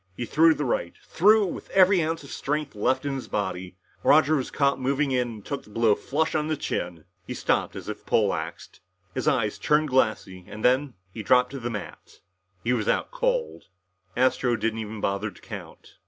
He threw the right, threw it with every ounce of strength left in his body. Roger was caught moving in and took the blow flush on the chin. He stopped as if poleaxed. His eyes turned glassy and then he dropped to the mat. He was out cold. Astro didn't even bother to count.